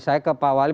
saya ke pak wali